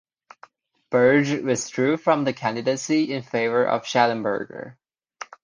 Berge withdrew from the candidacy in favour of Shallenberger.